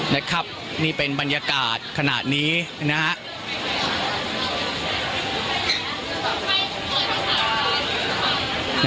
นะครับนี่เป็นบรรยากาศขนาดนี้นะครับ